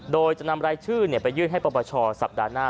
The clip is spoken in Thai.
โดยจะนำรายชื่อไปยื่นให้ปปชสัปดาห์หน้า